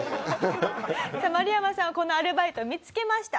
さあマルヤマさんはこのアルバイトを見つけました。